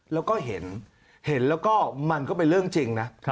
แล้วก็เห็นเห็นแล้วก็มันก็เป็นเรื่องจริงนะ